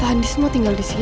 tante andis mau tinggal disini